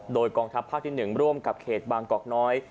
โดยกองทัพภาคที่๑ร่วมกับเขตบางกอกน้อย